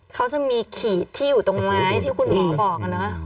เขาจะมีขีดที่อยู่ตรงไม้ที่คุณหมอบอกนะ